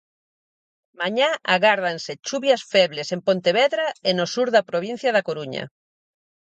Mañá agárdanse chuvias febles en Pontevedra e no sur da provincia da Coruña.